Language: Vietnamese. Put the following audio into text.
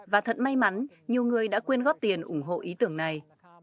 và thật may mắn nhiều người đã quyên góp tiền ủng hộ ý tưởng này